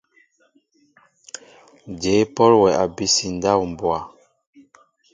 Jyéé e pɔl wɛ abisi ndáw mbwa ?